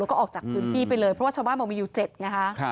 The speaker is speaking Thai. แล้วก็ออกจากพื้นที่ไปเลยเพราะว่าชาวบ้านบอกมีอยู่๗ไงฮะ